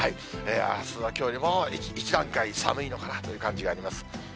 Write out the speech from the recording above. あすはきょうよりも１段階寒いのかなという感じがあります。